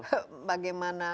tapi ini bagaimana